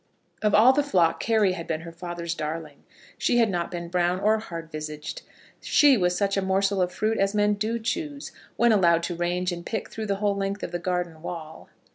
Of all the flock Carry had been her father's darling. She had not been brown or hard visaged. She was such a morsel of fruit as men do choose, when allowed to range and pick through the whole length of the garden wall.